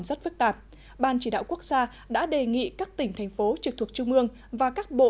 rất phức tạp ban chỉ đạo quốc gia đã đề nghị các tỉnh thành phố trực thuộc trung ương và các bộ